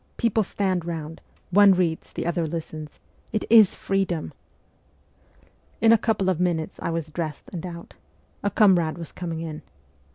People stand round; one reads, the others listen. It is freedom !' In a couple of minutes I was dressed and out. A comrade was coming in.